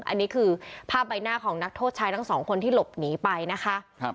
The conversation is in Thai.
อันนี้คือภาพใบหน้าของนักโทษชายทั้งสองคนที่หลบหนีไปนะคะ